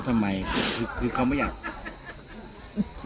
ทำไมคือเขาไม่อยาก